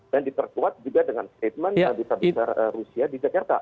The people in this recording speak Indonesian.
dan diperkuat juga dengan statement yang bisa bisa rusia di jakarta